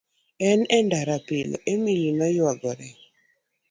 En e ndara pilepile, Emali noyuagore.